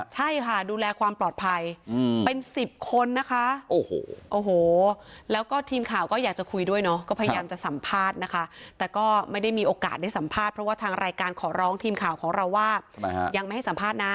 ใช่ค่ะดูแลความปลอดภัยเป็น๑๐คนนะคะโอ้โหแล้วก็ทีมข่าวก็อยากจะคุยด้วยเนาะก็พยายามจะสัมภาษณ์นะคะแต่ก็ไม่ได้มีโอกาสได้สัมภาษณ์เพราะว่าทางรายการขอร้องทีมข่าวของเราว่ายังไม่ให้สัมภาษณ์นะ